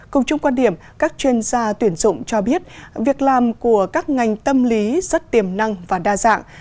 cùng chung quan điểm các chuyên gia tuyển dụng cho biết việc làm của các ngành tâm lý rất tiềm năng và đa dạng